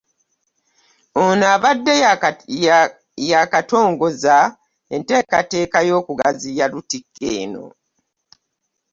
Ono abadde yaakatongoza enteekateeka y'okugaziya Lutikko eno